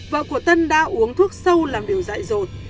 vợ của tân đã uống thuốc sâu làm điều dại rột